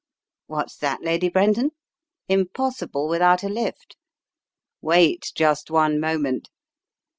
What's that, Lady Brenton; impossible without a lift? Wait just one moment.